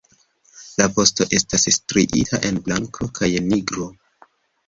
La vosto estas striita en blanko kaj nigro.